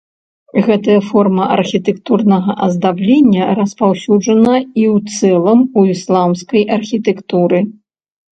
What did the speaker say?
Гэтая форма архітэктурнага аздаблення распаўсюджана ў і ў цэлым у ісламскай архітэктуры.